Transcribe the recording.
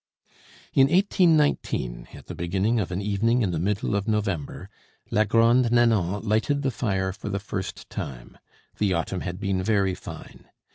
In 1819, at the beginning of an evening in the middle of November, la Grande Nanon lighted the fire for the first time. The autumn had been very fine.